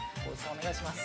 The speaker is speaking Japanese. お願いします。